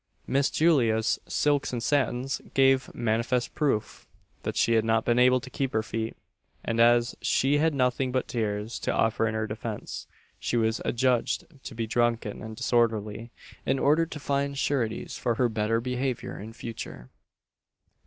Miss Julia's "silks and satins" gave manifest proof that she had not been able to keep her feet; and, as she had nothing but tears to offer in her defence, she was adjudged to be drunken and disorderly, and ordered to find sureties for her better behaviour in future.